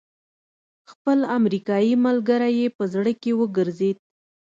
خپل امريکايي ملګری يې په زړه کې وګرځېد.